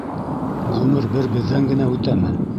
Ғүмер бер беҙҙән генә үтәме?